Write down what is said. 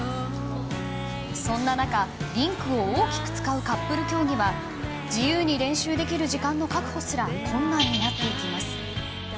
そんな中、リンクを大きく使うカップル競技は自由に練習できる時間の確保すら困難になっていきます。